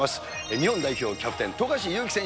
日本代表キャプテン、富樫勇樹選